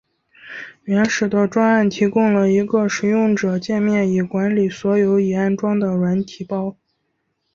原始的专案提供了一个使用者介面以管理所有已安装的软体包。